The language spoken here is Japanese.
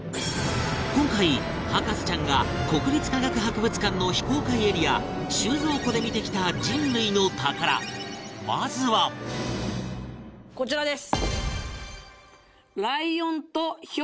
今回、博士ちゃんが国立科学博物館の非公開エリア収蔵庫で見てきた人類の宝まずはこちらです。